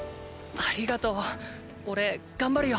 ありがとうおれ頑張るよ！